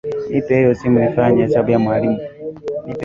Nipe hiyo simu nifanye hesabu ya mwalimu.